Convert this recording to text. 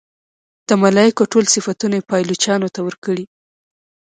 د ملایکو ټول صفتونه یې پایلوچانو ته ورکړي.